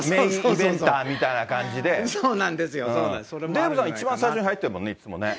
デーブさん、入ってるもんね、いつもね。